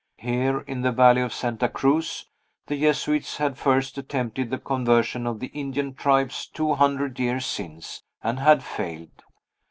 Here, in the valley of Santa Cruz, the Jesuits had first attempted the conversion of the Indian tribes two hundred years since, and had failed.